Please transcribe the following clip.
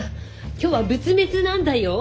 今日は仏滅なんだよ！